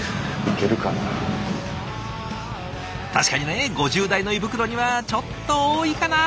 確かにね５０代の胃袋にはちょっと多いかな。